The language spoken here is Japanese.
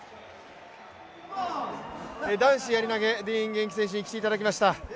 男子やり投、ディーン元気選手に来ていただきました。